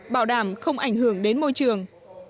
bảo đảm không ảnh hưởng đến môi trường